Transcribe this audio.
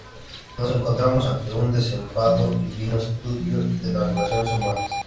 Nos encontramos ante un desenfado y fino estudio de las relaciones humanas.